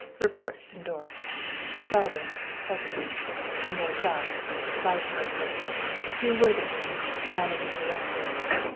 Reports endorsed. Selden, president; yourself, vice president; Hugh Worthington, managing director.